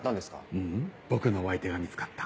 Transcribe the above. ううん僕のお相手が見つかった。